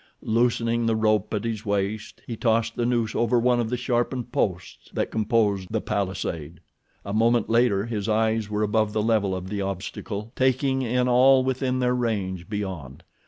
Loosening the rope at his waist he tossed the noose over one of the sharpened posts that composed the palisade. A moment later his eyes were above the level of the obstacle taking in all within their range beyond.